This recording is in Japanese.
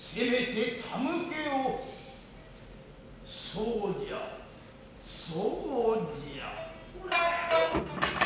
そうじゃ、そうじゃ。